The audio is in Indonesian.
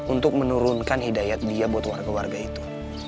untuk menurunkan hidayat dia buat warga warga itu